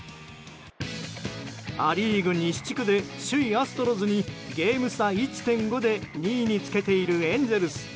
ア・リーグ西地区で首位アストロズにゲーム差１．５で２位につけているエンゼルス。